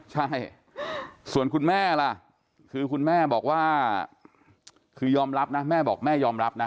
ใช่ส่วนคุณแม่ล่ะคือคุณแม่บอกว่าคือยอมรับนะแม่บอกแม่ยอมรับนะ